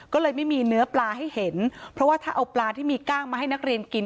ก็เลยไม่มีเนื้อปลาให้เห็นเพราะว่าถ้าเอาปลาที่มีกล้างมาให้นักเรียนกิน